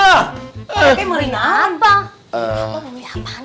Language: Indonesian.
parate mau rinan bang